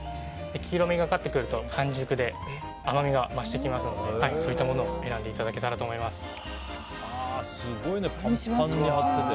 黄色みがかってくると完熟で甘みが増してきますのでそういったものを選んでいただけたらと思います。